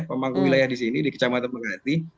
pemanggu wilayah disini di kecamatan pengganti